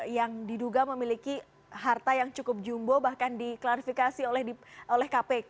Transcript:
yang diduga memiliki harta yang cukup jumbo bahkan diklarifikasi oleh kpk